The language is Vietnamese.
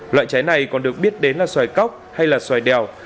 loại trái này còn được biết đến là xoài cóc hay là xoài đèo